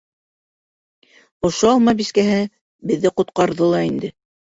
Ошо алма мискәһе беҙҙе ҡотҡарҙы ла инде.